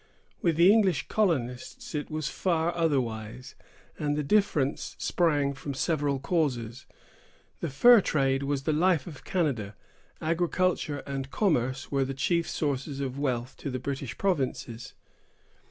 With the English colonists it was far otherwise; and the difference sprang from several causes. The fur trade was the life of Canada; agriculture and commerce were the chief sources of wealth to the British provinces.